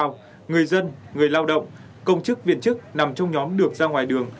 trong sáng nay người dân người lao động công chức viện chức nằm trong nhóm được ra ngoài đường